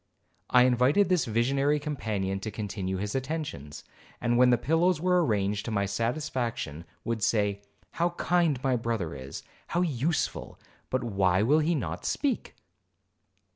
I invited this visionary companion to continue his attentions; and when the pillows were arranged to my satisfaction, Would say, 'How kind my brother is,—how useful,—but why will he not speak?'